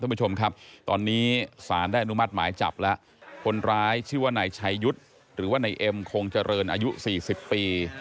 ท่านผู้ชมครับตอนนี้สารได้อนุมัติหมายจับแล้วคนร้ายชื่อว่านายชัยยุทธ์หรือว่านายเอ็มคงเจริญอายุสี่สิบปี